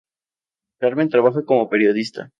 Carmen trabaja como periodista.